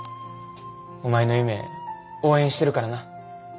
お前の夢応援してるからな。